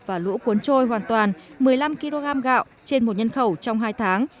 và lũ cuốn trôi hoàn toàn một mươi năm kg gạo trên một nhân khẩu trong hai tháng